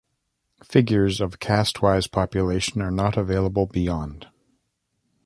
Figures of caste-wise population are not available beyond.